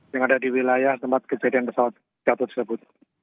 yang ada di wilayah tempat kejadian pesawat jatuh tersebut